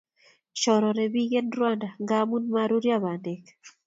shorore pik en rwanda ngamun maruryo pandek